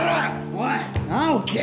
おい直樹。